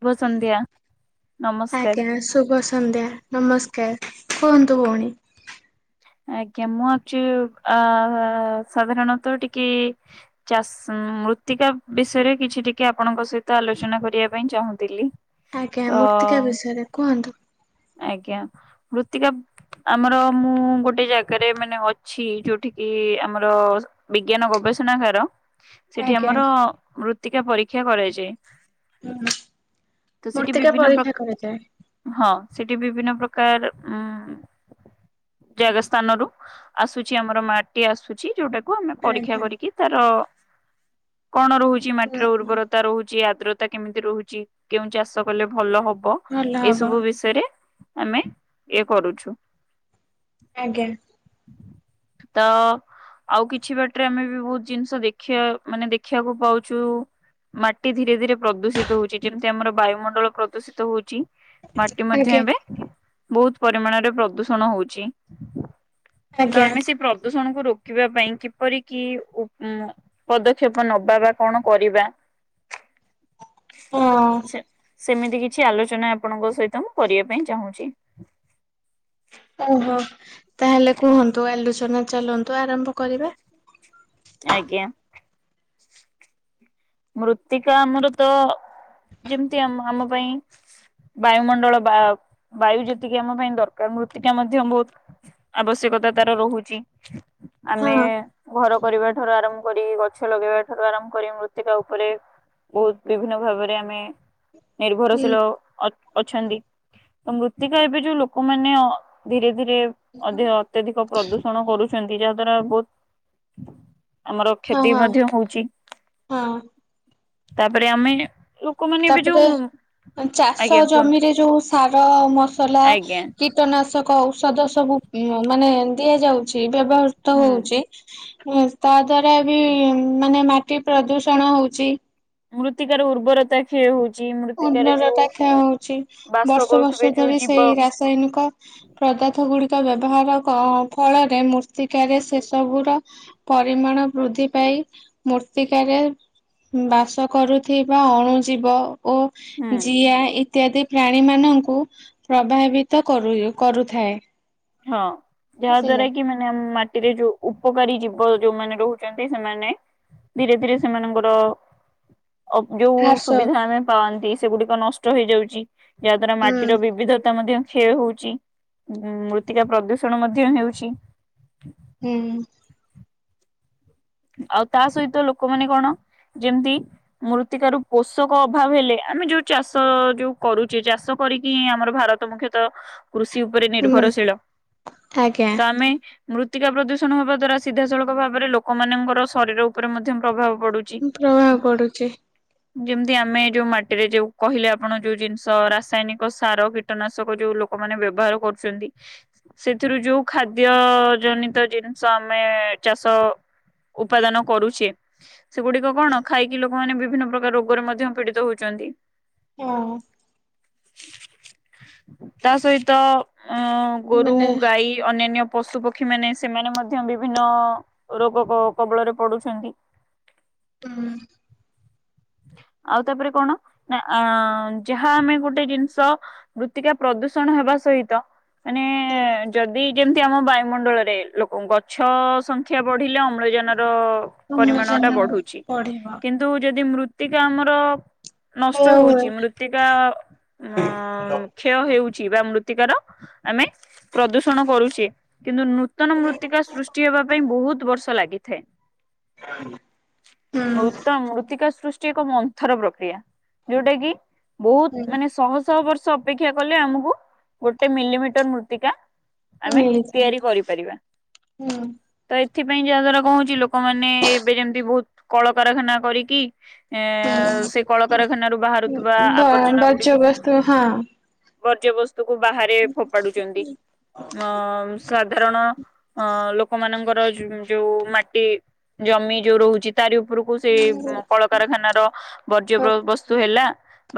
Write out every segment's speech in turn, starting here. ଶୁଭ ସନ୍ଧ୍ୟା ନମସ୍କାର। ଆଜ୍ଞା ଶୁଭ ସନ୍ଧ୍ୟା ନମସ୍କାର। କୁହନ୍ତୁ ଭଉଣୀ। ଆଜ୍ଞା ମୁଁ ଆଛି ଅ ସାଧାରଣତଃ ଟିକେ ଚାଷ ମୃତ୍ତିକା ବିଷୟରେ କିଛି ଟିକେ ଆପଣଙ୍କ ସହିତ ଆଲୋଚନା କରିବା ପାଇଁ ଚାହୁଁଥିଲି। ତ ଆଜ୍ଞା ମୂର୍ତ୍ତିକା ବିଷୟରେ କୁହନ୍ତୁ। ଆଜ୍ଞା ମୃତ୍ତିକା ଆମର ମୁଁ ଗୋଟେ ଜାଗାରେ ମାନେ ଅଛି ଯୋଉଠି କି ଆମର ବିଜ୍ଞାନ ଗବେଷଣାଗାର ସେଠି ଆଜ୍ଞା ଆମର ମୃ ମୃତିକା ପରୀକ୍ଷା କରାଯାଏ। ହୁଁ ତ ସେଠି ମୂର୍ତ୍ତିକା ବିଭିନ୍ନ ପ୍ରକ ପରୀକ୍ଷା କରାଯାଏ। ହଁ ସେଠି ବିଭିନ୍ନ ପ୍ରକାର ଉ ଜାଗା ସ୍ଥାନରୁ ଆସୁଛି ଆମର ମାଟି ଆସୁଛି ଯୋଉଟା ଆମେ ପରୀକ୍ଷା ଆଜ୍ଞା। କରିକି ତାର କଣ ରହୁଛି ହୁଁ ମାଟିର ଉର୍ବରତା ରହୁଛି ଉଦ୍ରତା କେମିତି ରହୁଛି କେଉଁ ଚାଷ କଲେ ଭଲ ହ ବ ଭଲ ଏ ହବ ସବୁ ବିଷୟ ଆମେ ଏ କରୁଛୁ। ଆଜ୍ଞା ତ ଆଉ କିଛି ବାଟରେ ଆମେ ବି ବହୁତ ଜିନିଷ ଦେଖିବା ମାନେ ଦେଖିବାକୁ ପାଉଛୁ ମାଟି ଧୀରେ ଧୀରେ ପ୍ରଦୂଷିତ ହଉଛି। ଯେମିତି ଆମର ବାୟୁମଣ୍ଡଳ ପ୍ରଦୂଷିତ ହଉଛି। ମା ମଧ୍ୟ ଆଜ୍ଞା ଏବେ ବହୁତ ପରିମାଣରେ ପ୍ରଦୂଷଣ ହଉଛି। ତ ଆଜ୍ଞା ଆମେ ସେ ପ୍ରଦୂଷ ଜଣ ଙ୍କୁ ରୋକିବା ପାଇଁ କିପରି କି ଉପ୍ ଉଁ ପଦକ୍ଷେପ ନବା ବା କଣ କରିବା। ହଁ। ସେ ସେମିତି କିଛି ଆଲୋଚନା ଆପଣଙ୍କ ସହିତ କରିବା ପାଇଁ ଚାହୁଁଛି। ଓହୋ। ତାହେଲେ କୁହନ୍ତୁ ଆଲୋଚ ତନେ ଚାଲନ୍ତୁ ଆରମ୍ଭ କରିବା। ଆଜ୍ଞା ମୃତ୍ତିକା ଆମର ତ ଯେମିତି ଆମ ଆମ ପାଇଁ ବାୟୁମଣ୍ଡଳ ବା ବାୟୁ ଯେତିକି ଆମ ପାଇଁ ଦରକାର ମୃତ୍ତିକା ମଧ୍ୟ ବହୁତ ଆବଶ୍ୟକତା ତାର ରହୁଛି ଆମେ ହଁ ଘର କରିବା ଠାରୁ ଆରମ୍ଭ କରି ଗଛ ଲଗେଇବା ଠାରୁ ଆରମ୍ଭ କରି ମୃ ଏ ତା ଉପରେ ବହୁତ ବିଭିନ୍ନ ଭାବରେ ଆମେ ହୁଁ ନିର୍ଭରଶୀଳ ଅ ଅଛନ୍ତି ତ ମୃତ୍ତିକା ଏବେ ଯୋଉ ଲୋକମାନେ ଅ ଧୀରେ ଧିରେ ଅଧିକ ଅତ୍ୟଧିକ ପ୍ରଦୂଷଣ କରୁ ଛନ୍ତି ଯାହାଦ୍ଵାରା ବହୁତ ଆମର ହଁ କ୍ଷତି ହଁ ମଧ୍ୟ ହଉଛି ହଁ ତାପରେ ଆମେ ଲୋକମାନେ ଏବେ ତାପରେ ଯୋଉ ଚାଷ ଆଜ୍ଞା କୁହନ୍ତୁ ଜମିରେ ଯୋଉ ସାର ମସଲା ଆଜ୍ଞା କୀଟନାଶ କ ଔଷଧ ସବୁ ଉଁ ମାନେ ଦିଆଯାଉଛି ବ୍ୟବହୃତ ହୁଁ ହଉଛି ହୁଁ ତା ଦ୍ଵାରା ବି ମାନେ ମାଟି ପ୍ରଦୂଷଣ ହଉଛି ମୃତ୍ତିକା ର ଉର୍ବରତା କ୍ଷୟ ହଉଛି ମୃତ୍ତିକାରେ ଯୋଉ ଉର୍ବରତା କ୍ଷୟ ହଉଛି ବାସ ବର୍ଷ କରୁଥିବେ ବର୍ଷ ଯୋଉ ଧରି ଜୀବ ସେଇ ରାସାୟନିକ ପଦାର୍ଥ ଗୁଡି କ ବ୍ୟବହାର କ ଫଳରେ ମୃର୍ତ୍ତିକାରେ ସେସବୁ ର ପରିମାଣ ବୃଦ୍ଧି ପାଇ ମୃର୍ତ୍ତିକାରେ ବାସ କରୁଥିବା ଅଣୁ ଜୀବ ଓ ହୁଁ ଜିଆ ଇତ୍ୟାଦି ପ୍ରାଣୀ ମାନଙ୍କୁ ପ୍ରଭାବିତ କରୁ କରୁଥାଏ ହଁ ଯାହା ଦ୍ଵାରା ବୁଝିଲେ। କି ମାନେ ଆମ ମାଟିରେ ଯୋଉ ଉପକାରୀ ଜୀବ ଯୋଉମାନେ ରହୁଛନ୍ତି ସେମାନେ ଧୀରେ ଧୀରେ ସେମାନଙ୍କର [unintelligible] ଯୋଉ ଘାସ ସୁବିଧା ଆମେ ପାଆନ୍ତି। ସେଗୁଡିକ ନଷ୍ଟ ହେଇଯାଉଛି। ଯା ଦ୍ଵାରା ହୁଁ। ମାଟିର ବିବିଧତା ମଧ୍ୟ କ୍ଷୟ ହଉଛି ମୃତ୍ ମୃତ୍ତିକା ପ୍ରଦୂଷଣ ମଧ୍ୟ ହେଉଛି। ହୁଁ। ଆଉ ତା ସହିତ ଲୋକମାନେ କଣ ଯେମିତି ମୃତ୍ତିକାରୁ ପୋଷକ ଅଭାବ ହେଲେ ଆମେ ଯୋଉ ଚାଷ ଯୋଉ କରୁଛେ ଚାଷ କରିକିି ହିଁ ଆମର ଭାରତ ମୁଖ୍ୟତଃ କୃଷି ଉପରେ ନିର୍ଭରଶୀଳ ଆଜ୍ଞା ତ ଆମେ ମୃତ୍ତିକା ପ୍ରଦୂଷଣ ହବା ଦ୍ଵାରା ସିଧାସଳଖ ଭାବରେ ଲୋକ ଲୋକମାନଙ୍କର ଶରୀର ଉପରେ ମଧ୍ୟ ପଡୁଛି। ପ୍ରଭାବ ପଡୁଛି। ଯେମିତି ଆମେ ଯୋଉ ମାଟିରେ ଯୋଉ କହିଲେ ଆପଣ ଯୋଉ ଜିନିଷ ରାସାୟନିକ ସାର କୀଟନାଶକ ଯୋଉ ଲୋକମାନେ ବ୍ୟବହାର କରୁଛନ୍ତି ସେଥିରୁ ଯୋଉ ଖାଦ୍ୟ ଜନିତ ଜିନିଷ ଆମେ ଚାଷ ଉପାଦାନ କରୁଛେ ସେଗୁଡିକ କଣ ଖାଇକି ଲୋକ ଲୋକମାନେ ବିଭିନ୍ନ ପ୍ରକାର ରୋଗରେ ମଧ୍ୟ ପୀଡିତ ହଉଛନ୍ତି। ହଁ। ତା ସହିତ ଅ ଗୋରୁ ମାନେ ଗାଈ ଅନ୍ୟାନ୍ୟ ପଶୁ ପକ୍ଷୀ ମାନେ ସେମାନେ ମଧ୍ୟ ବିଭିନ୍ନ ରୋଗ କବଳରେ ପଡୁଛନ୍ତି। ହୁଁ। ଆଉ ତାପରେ କଣ ନା ଯାହା ଆମେ ଗୋଟେ ଜିନିଷ ମୃତ୍ତିକା ପ୍ରଦୂଷଣ ହେବା ସହିତ ମାନେ ଯଦି ଯେମିତି ଆମ ବାୟୁମଣ୍ଡଳରେ ଲୋକ ଗଛ ସଂଖ୍ୟା ବଢିଲେ ଅମ୍ଳଜାନ ପରିମାଣ ଅମ୍ଳଜାନ ଟା ବଢୁଛି ବଢିବ। କିନ୍ତୁ ଯଦି ମୃ ଟିକେ ଆମର ନଷ୍ଟ ହୁଁ ହଉଛି ହୁଁ। ମୃତ୍ତିକା ଉ କ୍ଷୟ ହେଉଛି। ଥିବା ମୃତ୍ତିକାର ଆମେ ପ୍ରଦୂଷଣ କରୁଛେ। କିନ୍ତୁ ନୂତନ ମୃତ୍ତିକା ସୃଷ୍ଟି ହେବା ପାଇଁ ବହୁତ ବର୍ଷ ଲାଗେ। ହେ। ମୃତ ମୃତ୍ତିକା ସୃଷ୍ଟି ଏକ ମନ୍ଥର ପ୍ରକ୍ରିୟା ଯୋଉଟା କି ବହୁତ ମାନେ ଶହ ଶହ ବର୍ଷ ଅପେକ୍ଷା କଲେ ଆମକୁ ଗୋଟେ ମିଲିମିଟର ମୃତ୍ତିକା ଆମେ ମିଳିଥାଏ ତିଆରି କରିପାରିବା ହୁଁ। ତ ଏଥିପାଇଁ ଯାହାଦ୍ଵାରା କହୁଛି ଲୋକମାନୋନେ ଏବେ ଯେମତି ବହୁତ କଳକାରଖାନା କରିକି? ଏ ସେ କଳକାରଖାନାରୁ ବାହାରୁଥିବା ବ ଆବର୍ଜନା ଗୁଡିକୁ ବର୍ଜ୍ୟବସ୍ତୁ ହଁ। ବର୍ଜ୍ୟବସ୍ତୁ କୁ ବାହାରେ ଫୋପାଡୁଛନ୍ତି ଅ ସାଧାରଣ ଅ ଲୋକମାନଙ୍କର ଯୋଉ ମାଟି ଜମି ଯୋଉ ରହୁଛି। ତାରି ଉପରକୁ ସେ କଳ କାରଖାନା ର ବର୍ଜ୍ୟ ହୁଁ। ବସ୍ତୁ ହେଲା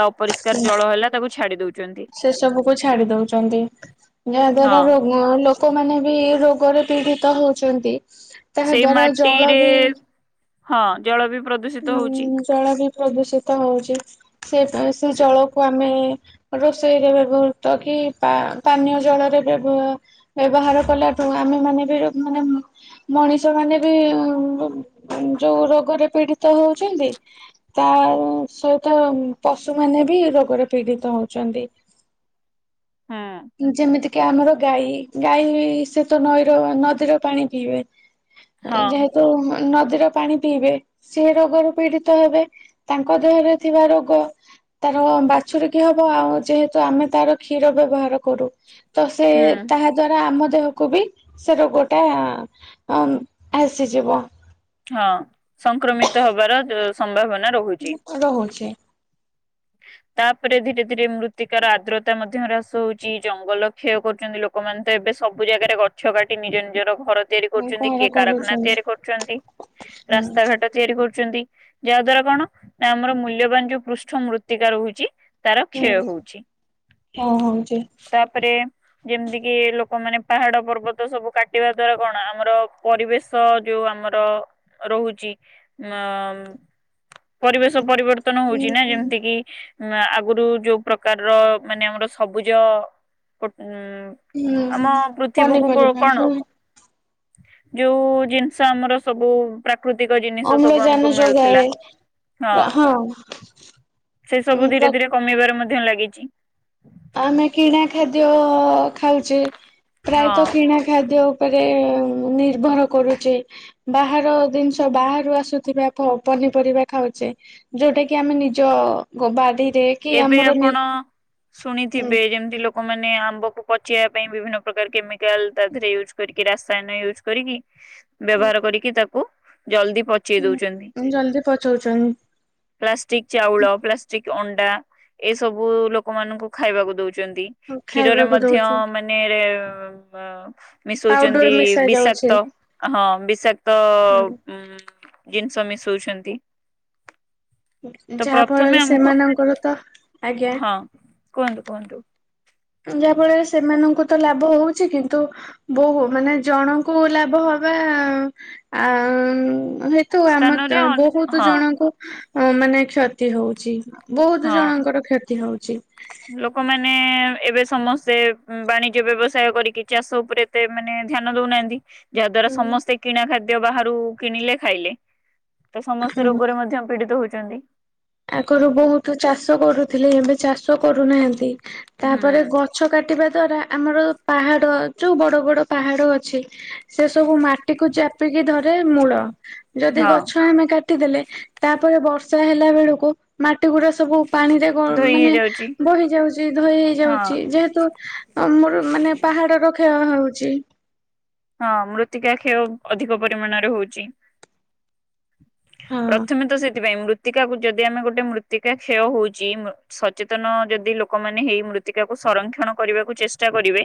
ବା ଅପରିଷ୍କାର ଜଳ ହେଲା ତାକୁ ଛାଡି ଦଉଛନ୍ତି ସେ ସବୁକୁ ଛାଡି ଦଉଛନ୍ତି। ଯାହା ହଁ। ଦ୍ଵାରା ରୋଗ ଲୋକମାନେ ବି ରୋଗରେ ପୀଡିତ ହଉଛନ୍ତି। ତାହା ସେଇ ଦ୍ଵାରା ଜଳ ମାଟିରେ ହଁ ଜଳ ବି? ପ୍ରଦୂଷିତ ହଉଛି ହୁଁ ଜଳ ବିି? ପ୍ରଦୂଷିତ ହଉଛି। ସେ ସେ ଜଳକୁ ଆମେ ରୋଷେଇରେ ବ୍ୟବହୃତ କି ପାନୀୟ ଜଳରେ ବ୍ୟବ ବ୍ୟବହାର କଲାଠୁ ଆମେମାନେ ବି ମାନେ ମଣିଷ ମାନେ ବି ଯୋଉ ରୋଗରେ ପୀଡିତ। ହଉଛନ୍ତି ତା ସହିତ ପଶୁମାନେ ବି ରୋଗରେ ପୀଡିତ ହଉଛନ୍ତି। ହୁଁ ଯେମିତି କି ଆମର ଗାଈ ଗାଈ ସେ ତ ନଈର ନଦୀର ପାଣି ପିଇବେ ହଁ ଯେହେତୁ ନଦୀର ପାଣି ପିଇବେ ସେ ରୋଗରୁ ପୀଡିତ ହେବେ ତାଙ୍କ ଦେହରେ ଥିବା ରୋଗ ତାର ବାଛୁରିକି ହବ ଆଉ ଯେହେତୁ ଆମେ ତାର କ୍ଷୀର ବ୍ୟବହାର କରୁ। ତ ସେ ହୁଁ ତାହା ଦ୍ଵାରା ଆମ ଦେହକୁ ବି ସେ ରୋଗଟା ଆସିଯିବ। ହଁ ସଂକ୍ରମିତ ହବାର ଯୋଉ ସମ୍ଭାବନା ରହୁଛି। ରହୁଛି। ତାପରେ ଧୀରେ ଧୀରେ ମୃତ୍ତିକାର ଆର୍ଦ୍ରତା ମଧ୍ୟ ହ୍ରାସ ହଉଛି ଜଙ୍ଗଲ କ୍ଷୟ କରୁଛନ୍ତି ଲୋକମାନେ ତ ଏବେ ସବୁ ଜାଗାରେ ଗଛ କାଟି ନିଜ ନିଜର ଘର ତିଆରି ଆଉ କରୁଛନ୍ତି କଣ କିଏ କାରଖାନା କରୁଛନ୍ତି? ତିଆରି କରୁଛନ୍ତି ହୁଁ ରାସ୍ତା ଘାଟ ତିଆରି କରୁଛନ୍ତି। ଯାହା ଦ୍ଵାରା କଣ ନା ଆମର ମୂଲ୍ୟବାନ ଯୋଉ ପୃଷ୍ଟ ମୃତ୍ୟୁ ତିକା ରୋହୁଚି। ତାର ହୁଁ କ୍ଷୟ ହଉଛି ହଁ ହଉଛି। ତାପରେ ଯେମିତି କିି ଲୋକମାନେ ପାହାଡ ପର୍ବତ ସବୁ କାଟିବା ଦ୍ଵାରା କଣ ଆମର ପରିବେଶ ଯୋଉ ଆମର ରୋହୁଚି ଉ ପରିବେଶ ପରିବର୍ତ୍ତନ ହୁଁ ହଉଛି ନା ଯେମିତି କିି? ଆଗରୁ ଯୋଉ ପ୍ରକାରର ମାନେ ଆମର ସବୁଜ ଉୁଁ ହୁଁ ଆମ ପୃଥିବୀକୁ ପନିପରିବା କଣ? ହଁ ଯୋଉ ଜିନିଷ ଆମର ସବୁ ପ୍ରାକୃତିକ ଜିନିଷ ସବୁ ଆମକୁ ଅମ୍ଲଜାନ ମିଳୁଥିଲା ଯୋଗଏ ହଁ। ସେ ସବୁ ପ୍ର ଧୀରେଧୀରେ କମି ମଧ୍ୟ ଲାଗିଚି। ଆମେ କିଣା ଖାଦ୍ୟ ଖାଉଛେ। ହଁ। ପ୍ରାୟତଃ କିଣା ଖାଦ୍ୟ ଉପରେ ନିର୍ଭର କରୁଚେ ବାହାର ଜିନିଷ ବାହାରୁ ଆସୁଥିବା ପନିପରିବା ଖାଉଛେ ଯୋଉଟା କି ଆମେ ନିଜ ବାଡ଼ି ଦେକି ଏବେ ଆମର ଆପଣ ଶୁଣିଥିବେ ଯେମତି ଲୋକ ଲୋକମାନେ ଆମ୍ବକୁ ପଚେଇବା ପାଇଁ ବିଭିନ୍ନ ପ୍ରକାର କେମି କେମିକାଲ ୟୁଜ କରିକି କି ରାସାୟନ ୟୁଜ୍ କରିକି ବ୍ୟବହାର କରିକି ତାକୁ କୁ ଜଲଦି ପଚେଇ ହୁଁ ଦଉଛନ୍ତି ଜଲଦି ପଚଉଛନ୍ତି ପ୍ଲାଷ୍ଟିକ ଚାଉଳ ପ୍ଲାଷ୍ଟିକ ଅନ ଏ ସବୁ ଲୋକମାନଙ୍କୁ ଖାଇବାକୁ ଦୋଉଚ ଦଉଛନ କ୍ଷୀରରେ ଖାଇବାକୁ ମଧ୍ୟ ଦଉଛୁ। ମାନେ ହଁ। ପାଉଡର ମିଶଉଛନ୍ତି ମିଶା ଯାଉଛି ବିଷାକ୍ତ ହଁ ବିଷାକ୍ତ ହୁଁ ଜିନିଷ ମିଶଉଛନ୍ତି। ତ ଯାହା ପ୍ରଥମେ ଫଳରେ ଆମକୁ ସେମାନଙ୍କ ହଁ କୁହନ୍ତୁ କୁହନ୍ତୁ। ଯାହା ଫଳରେ ସେମାନଙ୍କୁ ତ ଲାଭ ହଉଛି କିନ୍ତୁ ବହୁ ମାନେ ଜଣଙ୍କୁ ଲାଭ ହବା ଆ ହେତୁ ଆମ ସ୍ଥାନରେ ବହୁତ ହଁ ଜଣଙ୍କୁ ହ ମାନେ କ୍ଷତି ହଉଛି। ବହୁତ ହଁ ଜଣଙ୍କର କ୍ଷତି ହଉଛି। ଲୋକମାନେ ଏବେ ସମସ୍ତେ ବାଣିଜ୍ୟ ବ୍ୟବସାୟ କରିକି ଚାଷ ଉପରେ ଏତେ ମାନେ ଧ୍ୟାନ ଦଉନାହାନ୍ତି ଯାହାଦ୍ଵାରା ସମସ୍ତେ କିଣା ଖାଦ୍ୟ ବାହା କିଣିଲେ ଖାଇଲେ। ତ ସମସ୍ତ ହୁଁ ରୋଗରେ ମଧ୍ୟ ପୀଡିତ ହଉଛି ଛନ୍ତି ଆଗରୁ ବହୁତ ଚାଷ କରୁଥିଲେ ଏବେ ଚାଷ କରୁନାହାନ୍ତି। ତାପରେ ହୁଁ ଗଛ କାଟିବା ଦ୍ୱାରା ଆମର ପାହାଡ଼ ଯେଉଁ ବଡ଼ ବଡ଼ ପାହାଡ଼ ଅଛି। ସେ ସବୁ ମାଟି କୁ ଚାପିକି ଧର ରେ ମୂଳ ଯଦି ହଁ ଗଛ ଆମେ କା କାଟି ଦେଲେ ତାପରେ ବର୍ଷା ହେଲା ବେଳ କୁ ମାଟି ଗୁଡା ସବୁ ପାଣିରେ ଗ ଧୋଇ ମାନେ ହେଇଯାଉଛି ବହି ଯାଉଛି ଧୋଇ ହେଇ ହଁ ଯାଉଛି ଯେହେତୁ ଆମର ମାନେ ପାହାଡ ର ହଁ ହଉଛି। ହଁ ମୃତ୍ତିକା କ୍ଷୟ ଅଧିକ ପରିମାଣରେ ହଉଛି। ହଁ। ପ୍ରଥମେ ତ ସେଥିପାଇଁ ମୃ ମୃତ୍ତିକାକୁ ଯଦି ଆମେ ଗୋଟେ ମୃତ୍ତିକା କ୍ଷୟ ହଉଛି ମୁ ସଚେତନ ଯଦି ଲୋକମାନେ ହେଇ ମୃତ୍ତିକାକୁ ସଂରକ୍ଷଣ କରିବାକୁ ଚେଷ୍ଟା କରିବେ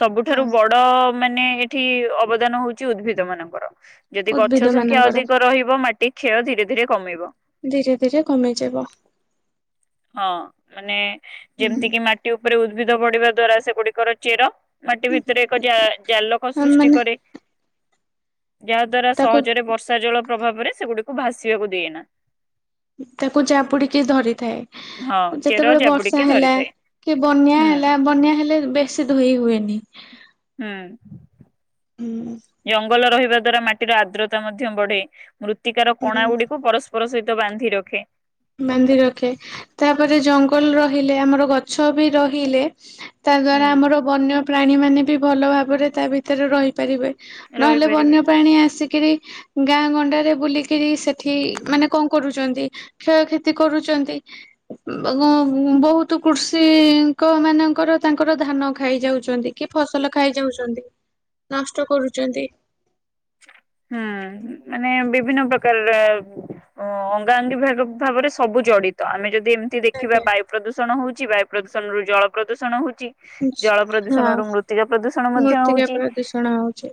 ସବୁଠାରୁ ହଁ। ବଡ ମାନେ ଏଠି ଅବଦାନ ହଉଛି ଉଦ୍ଭିଦ ମାନଙ୍କର। ଯଦି ଉଦ୍ଭିଦ ଗଛ ସଂଖ୍ୟା ମାନଙ୍କର ଅଧିକ ରହିବ ମାଟି କ୍ଷୟ ଧିରେ ଧିରେ କମିବ। ଧିରେ ଧିରେ କମିଯିବ। ହଁ ମାନେ ଯେମିତି କି ମାଟି ଉପରେ ଉ ଉଦ୍ଭିଦ ବଢିବା ଦ୍ଵାରା ସେଗୁଡିକର ଚେର ମାଟି ଭିତରେ ଏକା ଜା ଜାଲୋକ ସୃଷ୍ଟି ମାନେ କରେ। ଯାହାଦ୍ୱାରା ତାକୁ ସହଜରେ ବର୍ଷା ଜଳ ପ୍ରଭାବରେ ସେଗୁଡିକୁ ଭାସିଆକୁ ଦିଏ ନା। ତାକୁ ଜାବୁଡିକି ଧରେ। ଥାଏ ହଁ ଚେର ଯେତେବେଳେ ଜାବୁଡିକି ବର୍ଷା ହେଲା ଧରିଥାଏ କି ବନ୍ୟା ହୁଁ। ହେଲା ବନ୍ୟା ହେଲେ ବେଶୀ ଧୋଇ ହୁଏନି। ହୁଁ। ହୁଁ ଜଙ୍ଗଲ ରହିବା ଦ୍ଵାରା ମାଟିର ଆର୍ଦ୍ରତା ମଧ୍ୟ ବଢେ ମୃତ୍ତିକାର କଣା ଗୁଡିକୁ ପରସ୍ ପର ସହିତ ବାନ୍ଧି ରଖେ। ବାନ୍ଧି ରଖେ ତାପରେ ଜଙ୍ଗ ଲ ରହିଲେ ଆମର ଗଛ ବି ରହିଲେ ତା ହୁଁ ଦ୍ଵାରା ଆମର ବନ୍ୟ ପ୍ରାଣୀମାନେ ବି ଭଲ ଭାବରେ ତା ଭିତରେ ରହିପାରିବେ ନହେଲେ ରହିପାରିବେ ବନ୍ୟପାଣୀ ଆସି କିରି ଗାଁ ଗଣ୍ଡାରେ ବୁଲିକିରି ସେଠି ମାନେ କଣ କରୁଛନ୍ତି କ୍ଷୟକ୍ଷତି କରୁଛନ୍ତି [unintelligible] ବହୁତ କୃଷିଙ୍କ ମାନଙ୍କର ତାଙ୍କର ଧାନ ଖାଇଯାଉଛନ୍ତି କି ଫସଲ ଖାଇଯାଉଛନ୍ତି ନଷ୍ଟ କରୁଛନ୍ତି ହୁଁ ମାନେ ବିଭିନ୍ନ ପ୍ରକାରରେ ଅଙ୍ଗାଅଙ୍ଗୀ ଭାବେ ଭାବରେ ସବୁ ଜଡିତ ଆମେ ଯଦି ଯେମିତି ଦେଖିବା ଆଜ୍ଞା। ବାୟୁ ପ୍ରଦୂଷଣ ହଉଚି, ବାୟୁ ପ୍ରଦୂଷଣରୁ ଜଳ ପ୍ରଦୂଷଣ ହଉ ଚି ଜଳ ପ୍ରଦୂଷଣରୁ ହଁ ମୃତ୍ତିକା ପ୍ରଦୂଷଣ ମଧ୍ୟ ମୂର୍ତ୍ତିକା ହଉଛି, ପ୍ରଦୂଷଣ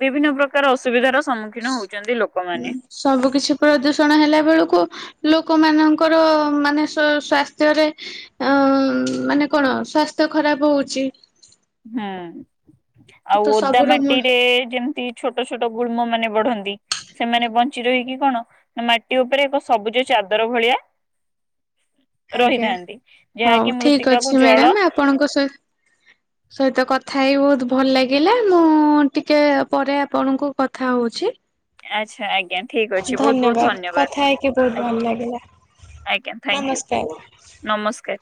ବିଭିନ୍ନ ପ୍ରକାର ଅସୁବିଧାର ସମ୍ମୁ- ସ୍ ସବୁ କିଛି ପ୍ରଦୂଷଣ ହେଲା ବେଳକୁ ଲୋକମାନାନଙ୍କର ମାନେ ସୁ ସ୍ଵାସ୍ଥ୍ୟରେ ଅଁ ମାନେ କଣ ସ୍ଵାସ୍ଥ୍ୟ ଖରାପ ହଉ ଚି ହଁ। ଆଉ ଓଦା ସବୁର ମୂଳ ମାଟିରେ ଯେମତି ଛୋଟ ଛୋଟ ଗୁଳ୍ମ ମାନେ ବଢନ୍ ଏ ସେମାନେ ବଞ୍ଚି ରହିକି କଣ ନା ମାଟି ଉପରେ ଏକ ସବୁଜ ଚାଦର ଭଳିଆ ଆଜ୍ଞା। ରହିଥାନ୍ତି। ଯାହାକି ହଉ ଠିକ ମୃତ୍ତିକାକୁ ଅଛି ଜଳ ମ୍ୟାଡାମ ଆପଣଙ୍କ ସହି ସହିତ କଥା ହେଇ ବହୁତ ଭଲ ଲାଗିଲା ମୁଁ ଟିକେ ପରେ ଆପଣଙ୍କୁ କଥା ହଉଛି। ଆଚ୍ଛା ଆ ଧନ୍ୟବାଦ କଥା ହେଇକି ବହୁତ ଆଜ୍ଞା ଭଲ ଲାଗିଲା ଆଜ୍ଞା ଥ୍ୟାଙ୍କୟୁ ନମସ୍କାର। ନମସ୍କାର।